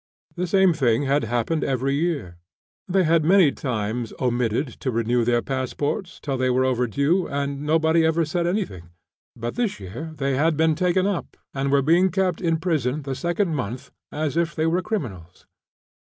The same thing had happened every year; they had many times omitted to renew their passports till they were overdue, and nobody had ever said anything; but this year they had been taken up and were being kept in prison the second month, as if they were criminals.